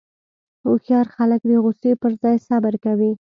هوښیار خلک د غوسې پر ځای صبر کوي.